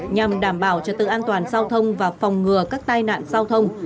nhằm đảm bảo trật tự an toàn giao thông và phòng ngừa các tai nạn giao thông